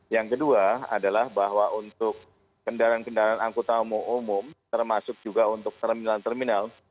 yang kedua adalah bahwa untuk kendaraan kendaraan angkutan umum termasuk juga untuk terminal terminal